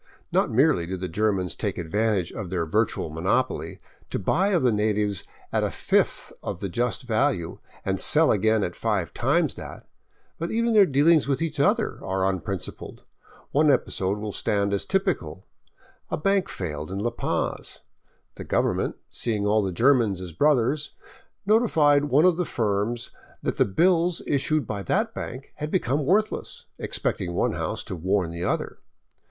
Not merely do the Germans take advantage of their virtual monopoly to buy of the natives at a 584 SKIRTING THE GRAN CHACO fifth of the just value, and sell again at five times that; but even their dealings with each other are unprincipled. One episode will stand as typical. A bank failed in La Paz. The government, seeing all the Germans as brothers, notified one of the firms that the bills issued by that bank had become worthless, expecting one house to warn the other.